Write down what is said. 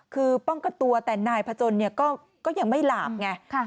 คือป้องกันตัวแต่นายพจนก็ยังไม่หลาบไง